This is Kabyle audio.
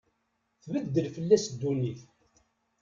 Tbeddel fell-as ddunit.